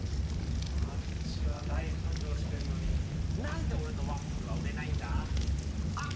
あっちは大繁盛してるのになんで俺のワッフルは売れないんだ⁉あっ！